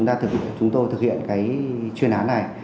để chúng tôi thực hiện cái chuyên án này